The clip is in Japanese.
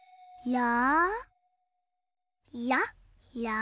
や！